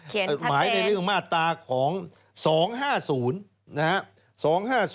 เขียนทัศน์เองหมายในเรื่องมาตราของ๒๕๐นะฮะ